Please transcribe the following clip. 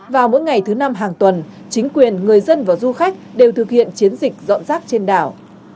vào mỗi ngày thứ năm hàng tuần chính quyền người dân và du khách đều thực hiện chiến dịch dọn rác trên đảo